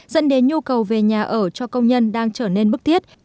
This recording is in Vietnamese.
dẫn đến nhu cầu về nhà ở cho công nhân đang trở nên bức thiết